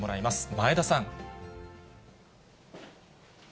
前田さん。